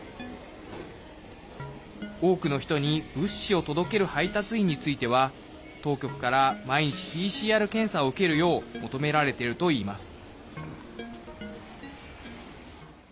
多くの人に物資を届ける配達員については当局から毎日ＰＣＲ検査を受けるよう求められているといいます。